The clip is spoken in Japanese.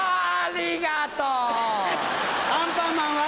アンパンマンは？